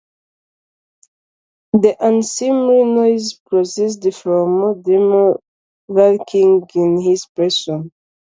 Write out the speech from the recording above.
The unseemly noise proceeded from a demon lurking in his person.